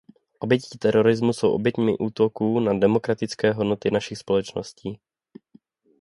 Oběti terorismu jsou oběťmi útoků na demokratické hodnoty našich společností.